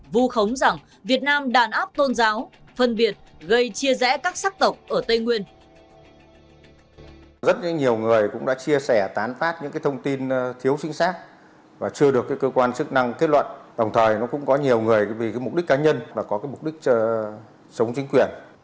vu khống rằng việt nam đàn áp tôn giáo phân biệt gây chia rẽ các sắc tộc ở tây nguyên